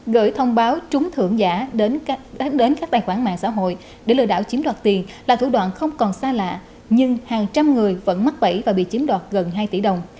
gửi thông báo trúng thưởng giả đến các tài khoản mạng xã hội để lừa đảo chiếm đoạt tiền là thủ đoạn không còn xa lạ nhưng hàng trăm người vẫn mắc bẫy và bị chiếm đoạt gần hai tỷ đồng